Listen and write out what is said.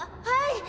はい。